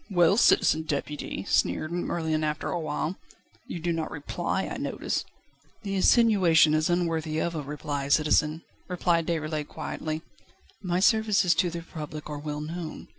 "Well, Citizen Deputy," sneered Merlin after a while, "you do not reply, I notice." "The insinuation is unworthy of a reply, citizen," replied Déroulède quietly; "my services to the Republic are well known.